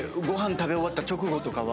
食べ終わった直後とかは。